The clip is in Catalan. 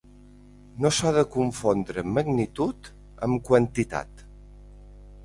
No s'ha de confondre magnitud amb quantitat.